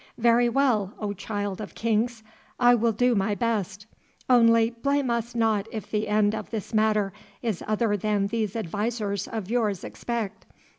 "Very well, O Child of Kings, I will do my best. Only blame us not if the end of this matter is other than these advisers of yours expect.